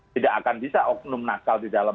tidak akan bisa oknum nakal di dalam